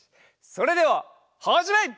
それでははじめい！